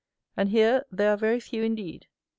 And here there are very few indeed.